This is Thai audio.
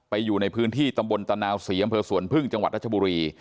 อยู่ในพื้นที่ตำบลตะนาวศรีอำเภอสวนพึ่งจังหวัดรัชบุรี